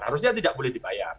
harusnya tidak boleh dibayar